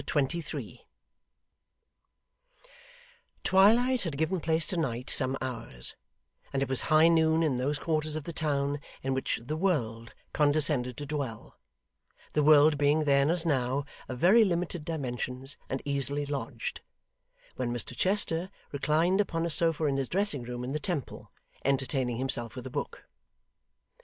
Chapter 23 Twilight had given place to night some hours, and it was high noon in those quarters of the town in which 'the world' condescended to dwell the world being then, as now, of very limited dimensions and easily lodged when Mr Chester reclined upon a sofa in his dressing room in the Temple, entertaining himself with a book.